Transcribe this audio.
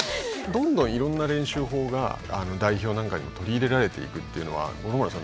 どんどんいろんな練習法が代表なんかにも取り入れられていくっていうのは五郎丸さん